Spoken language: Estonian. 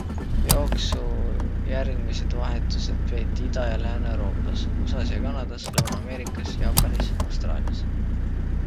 Jooksu järgmised vahetused peeti Ida- ja Lääne-Euroopas, USAs ja Kanadas, Lõuna-Ameerikas, Jaapanis, Austraalias.